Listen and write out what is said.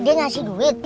dia ngasih duit